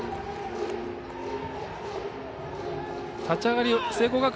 立ち上がり聖光